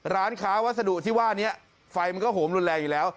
ร้านค้าวัสดุที่ว่านี้ไฟมันก็โหมรุนแรงอยู่แล้ว